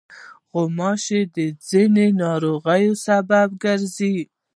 غوماشې د ځینو ناروغیو سبب ګرځي.